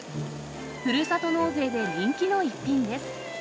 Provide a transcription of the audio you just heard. ふるさと納税で人気の逸品です。